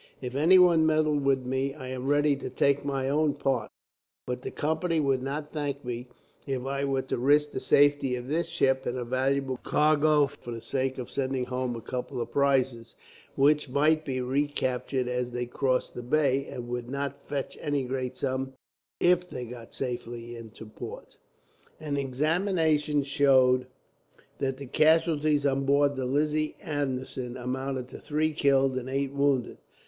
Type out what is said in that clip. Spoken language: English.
If any one meddle with me, I am ready to take my own part; but the Company would not thank me, if I were to risk the safety of this ship and her valuable cargo for the sake of sending home a couple of prizes, which might be recaptured as they crossed the bay, and would not fetch any great sum if they got safely in port." An examination showed that the casualties on board the Lizzie Anderson amounted to three killed and eight wounded.